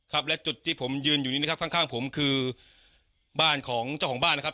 ครับและจุดที่ผมยืนอยู่นี้นะครับข้างข้างผมคือบ้านของเจ้าของบ้านนะครับ